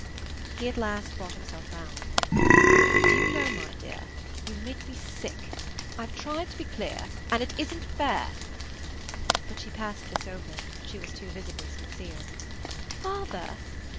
He at last brought himself round. "Do you know, dear, you make me sick? I've tried to be clear, and it isn't fair." But she passed this over; she was too visibly sincere. "Father!"